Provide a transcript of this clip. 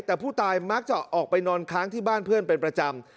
แต่ผู้ตายมักจะออกไปนอนค้างที่บ้านเพื่อนเป็นประจำ